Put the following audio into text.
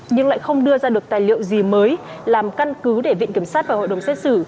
nhưng lại không đưa ra được tài liệu gì mới làm căn cứ để viện kiểm sát và hội đồng xét xử